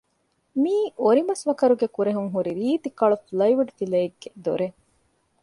މިއީ އޮރިމަސްވަކަރުގެ ކުރެހުން ހުރި ރީތި ކަޅު ޕުލައިވުޑު ފިލައެއްގެ ދޮރެއް